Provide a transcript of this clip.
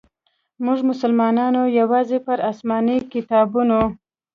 موږ مسلمانانو یوازي پر اسماني کتابونو.